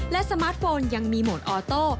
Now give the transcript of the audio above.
และสมาร์ทโฟนยังมีโหมดออโต้